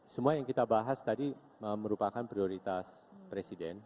semua yang kita bahas tadi merupakan prioritas presiden